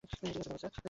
ঠিকাছে, সার।